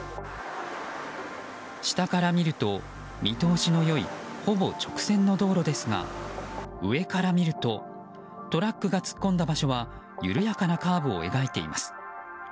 下から見ると、見通しの良いほぼ直線の道路ですが上から見るとトラックが突っ込んだ場所は緩やかなカーブを描いています。